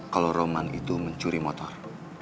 kalau roman itu mencuri motor